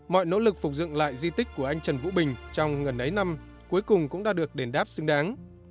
mọi nỗ lực phục dựng lại di tích của anh trần vũ bình trong ngần ấy năm cuối cùng cũng đã được đền đáp xứng đáng